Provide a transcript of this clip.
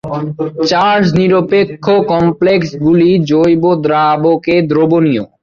চার্জ-নিরপেক্ষ কমপ্লেক্সগুলি জৈব দ্রাবকে দ্রবণীয়।